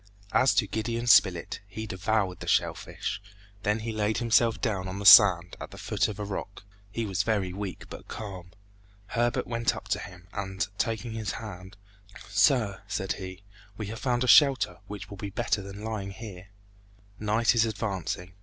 As to Gideon Spilett, he devoured the shell fish, then he laid himself down on the sand, at the foot of a rock. He was very weak, but calm. Herbert went up to him, and taking his hand, "Sir," said he, "we have found a shelter which will be better than lying here. Night is advancing.